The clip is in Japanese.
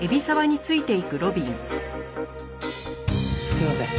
すいません。